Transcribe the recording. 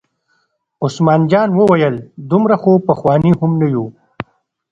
عثمان جان وویل: دومره خو پخواني هم نه یو.